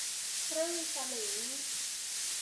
ครึ่งสลึง